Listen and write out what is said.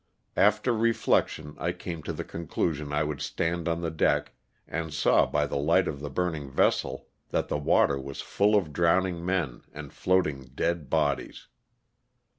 After reflection I came to the conclusion I would stand on the deck, and saw by the ligjht of the burning vessel that the water was full of drowning men and floating dead bodies.